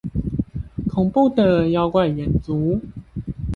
恐怖的妖怪遠足